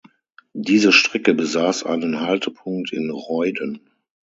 Diese Strecke besaß einen Haltepunkt in Reuden.